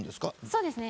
そうですね。